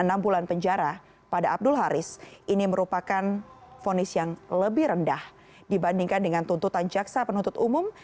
selama enam bulan penjara pada abdul haris ini merupakan fonis yang lebih rendah dibandingkan dengan tuntutan jaksa penuntut umum